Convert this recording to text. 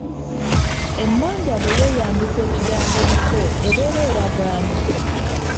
Emmandwa bwe yeeyambisa ekigambo “muko” ebeera eraga ani?